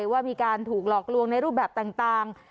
ว่ามีการถูกหลอกลวงในรูปแบบต่าง